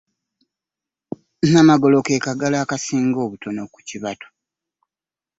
Namagalo ke kagalo akasinga obutono ku kibatu.